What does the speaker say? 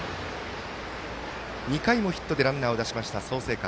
２回もヒットでランナーを出しました創成館。